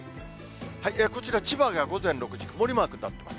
こちら、千葉が午前６時、曇りマークになっています。